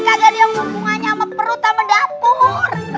kagak ada yang hubungannya sama perut sama dapur